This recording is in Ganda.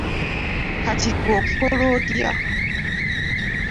Kati gwe okikola otya?